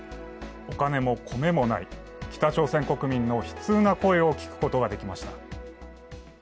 お金も米もない、北朝鮮国民の悲痛な声を聞くことができました。